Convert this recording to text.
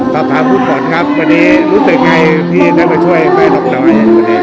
คุณขอบคุณครับวันนี้รู้สึกยังไงที่ได้มาช่วยแม่น้องหน่อย